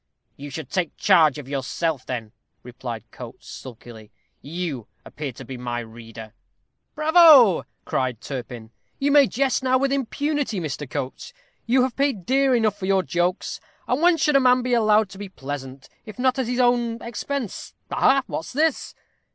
"You should take charge of yourself, then," replied Coates, sulkily. "You appear to be my reader." "Bravo!" cried Turpin. "You may jest now with impunity, Mr. Coates. You have paid dear enough for your jokes; and when should a man be allowed to be pleasant, if not at his own expense? ha, ha! What's this?"